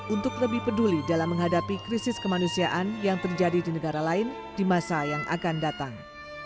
untuk lebih peduli dalam menghadapi krisis kemanusiaan yang terjadi di negara lain di masa yang akan datang